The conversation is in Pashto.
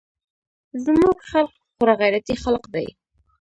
زموږ خلق خورا غيرتي خلق دي.